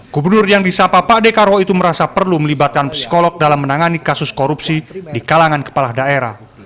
gubernur yang disapa pak dekarwo itu merasa perlu melibatkan psikolog dalam menangani kasus korupsi di kalangan kepala daerah